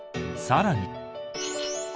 更に。